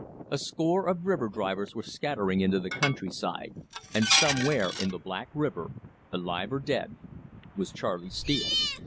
A score of river drivers were scattering into the country side, and somewhere in the black river, alive or dead, was Charley Steele.